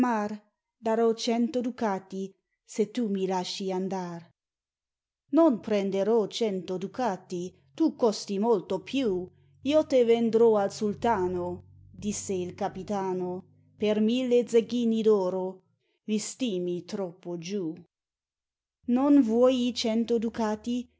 Daro cento ducati Se tu mi lasci andar!" "Non prenderò cento ducati, Tu costi molto più, Io te vendrò al Sultano," Disse il Capitano "Per mille zecchini d'oro Vi stimi troppo giù." "Non vuoi i cento ducati.